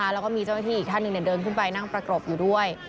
แล้วก็มีเจ้าหน้าที่อีกท่านหนึ่งเดินขึ้นไปนั่งประกบอยู่ด้วย